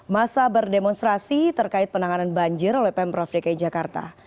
masa berdemonstrasi terkait penanganan banjir oleh pemprov dki jakarta